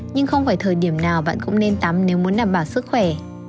nhưng không phải thời điểm nào bạn cũng nên tắm nếu muốn đảm bảo sức khỏe